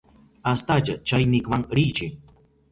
Astalla chaynikman riychi.